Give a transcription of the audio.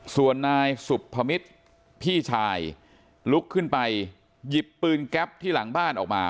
ส่วนนายสุภมิตรพี่ชายลุกขึ้นไปหยิบปืนแก๊ปที่หลังบ้านออกมา